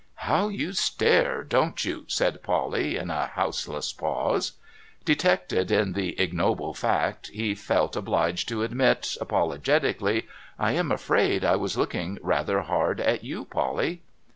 ' How you stare, don't you ?' said Polly in a houseless pause. Detected in the ignoble fact, he felt obliged to admit, apolo getically ;' I am afraid I was looking rather hard at you, Polly.'